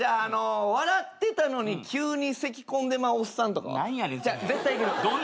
笑ってたのに急にせき込んでまうおっさんとか。何やねんそれ。絶対いける。